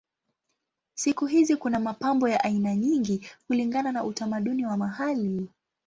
Siku hizi kuna mapambo ya aina nyingi kulingana na utamaduni wa mahali.